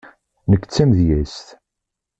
Nekk d tamedyazt.